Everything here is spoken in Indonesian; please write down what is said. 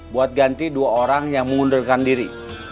buat ganti dua orang yang mengundurkan diri